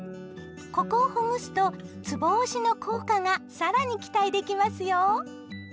ここをほぐすとつぼ押しの効果が更に期待できますよ！